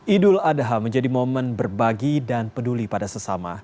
idul adha menjadi momen berbagi dan peduli pada sesama